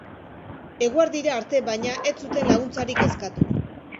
Eguerdira arte, baina, ez zuten laguntzarik eskatu.